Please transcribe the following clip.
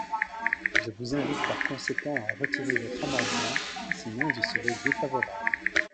Je vous invite par conséquent à retirer votre amendement, sinon j’y serai défavorable.